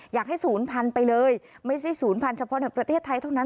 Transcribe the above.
อยากให้ศูนย์พันธุ์ไปเลยไม่ใช่ศูนย์พันธุเฉพาะในประเทศไทยเท่านั้น